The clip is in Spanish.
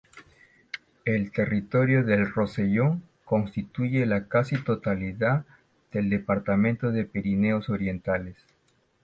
El territorio del Rosellón constituye la casi totalidad del departamento de Pirineos Orientales.